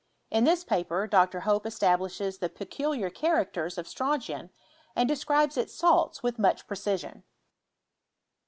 In this paper Dr. Hope establishes the peculiar characters of strontian, and describes its salts with much precision.